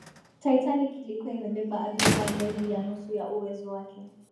titanic ilikuwa imebeba abiria zaidi ya nusu ya uwezo wake